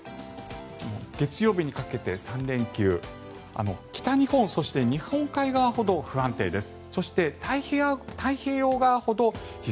月曜日にかけて３連休北日本そして日本海側ほど不安定です。